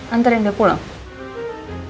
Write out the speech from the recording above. anterin dia pulang